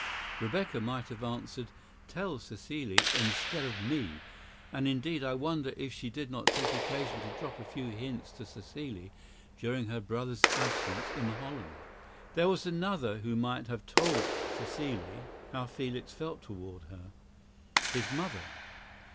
Rebecca might have answered, "Tell Cécile, instead of me;" and, indeed, I wonder if she did not take occasion to drop a few hints to Cécile during her brother's absence in Holland. There was another who might have told Cécile how Felix felt toward her,—his mother.